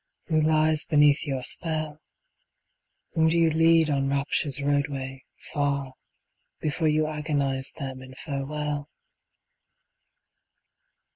Who lies beneath your spell? Whom do you lead on Rapture's roadway, far, Before you agonise them in farewell?